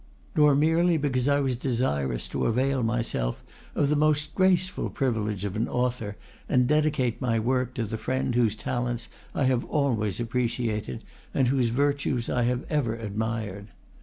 Nor merely because I was desirous to avail myself of the most graceful privilege of an author, and dedicate my work to the friend whose talents I have always appreciated, and whose virtues I have ever admired.